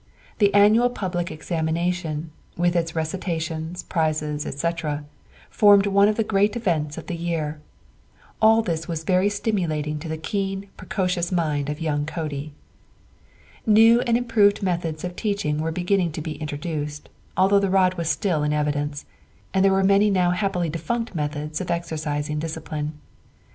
The annual public examination, with its recitations, prizes, etc., formed one of the great events of the year. All this was very stimulating to the keen, precocious mind of young Cody. New and improved methods of teaching were beginning to be introduced, although the rod was still in evidence, and there were many now happily defunct methods of exercising discipline.